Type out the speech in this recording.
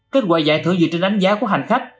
kết quả giải thưởng dựa trên đánh giá của hành khách